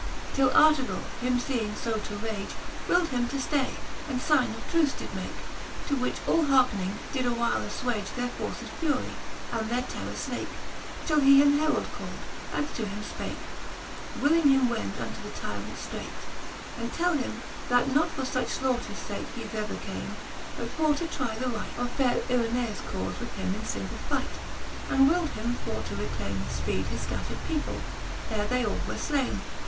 Till Artegall him feeing {o to rage, Willd him to ftay, and figne of truce did make; To which all hearkning, did a while afTwage Their forces furie, and their terrors flake \ Till he an herauld cald, and to him fpake, Willing him wend unto the tyrant firreight, And tell him, that not for fuch flaughters fake He thether came, but for to trie the right Of fayre Irenacs caufe with him in fingle fight. IX. And Canto XI r. the Faerie ^eene, 191 IX. And willed him for to reclayme with ipeed His fcattred people, ere they all were flaine.